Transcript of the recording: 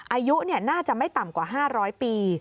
อายุน่าจะไม่ต่ำกว่า๕๐๐ปี